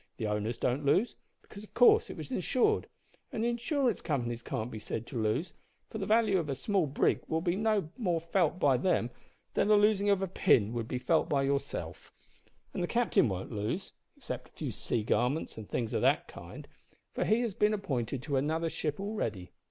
"The owners don't lose, because of course it was insured; and the Insurance Companies can't be said to lose, for the value of a small brig will be no more felt by them than the losing of a pin would be felt by yourself; and the captain won't lose except a few sea garments and things o' that kind for he has been appointed to another ship already.